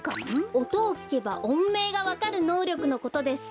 おとをきけばおんめいがわかるのうりょくのことです。